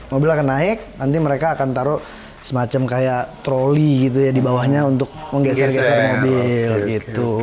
mobil akan naik nanti mereka akan taruh semacam kayak troli gitu ya di bawahnya untuk menggeser geser mobil gitu